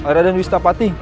rai raden wistapati